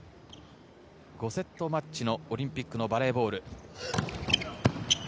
５セットマッチのオリンピックのバレーボール。